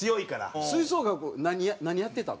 吹奏楽何やってたの？